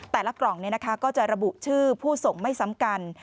แต่ละกล่องเนี่ยนะคะก็จะระบุชื่อผู้ส่งไม่ซ้ำกัน